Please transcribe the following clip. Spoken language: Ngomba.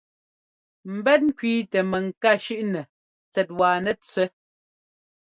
Mbɛ́t ŋ́kẅíitɛ mɛŋká shʉ́ꞌnɛ tsɛt wa nɛtsẅɛ́.